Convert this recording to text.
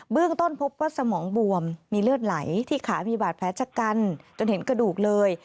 ต้นพบว่าสมองบวมมีเลือดไหลที่ขามีบาดแผลชะกันจนเห็นกระดูกเลย